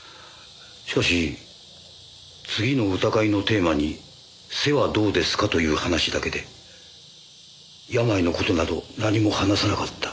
しかし次の歌会のテーマに「背」はどうですかという話だけで病の事など何も話さなかった。